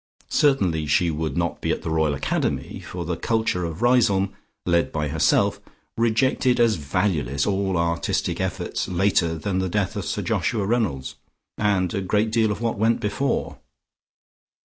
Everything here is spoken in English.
Certainly she would not be at the Royal Academy, for the culture of Riseholme, led by herself, rejected as valueless all artistic efforts later than the death of Sir Joshua Reynolds, and a great deal of what went before.